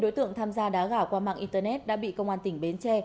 hai mươi đối tượng tham gia đá gảo qua mạng internet đã bị công an tỉnh bến tre